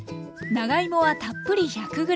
長芋はたっぷり１００ｇ。